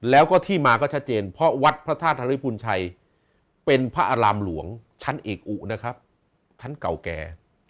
แล้วก็ที่มาก็ชัดเจนเพราะวัดพระธาตุธริพุนชัยเป็นพระอารามหลวงชั้นเอกอุนะครับชั้นเก่าแก่